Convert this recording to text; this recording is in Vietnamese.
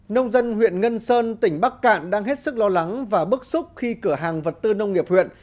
nông dân huyện ngân sơn tỉnh bắc cạn đang hết sức lo lắng và bức xúc khi cửa hàng vật tư nông nghiệp huyện